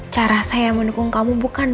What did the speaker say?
cara saya mendukung kamu bukan dengan perusahaan itu